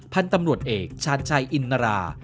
พันธุ์ตำรวจเอกชาญชัยอินนรา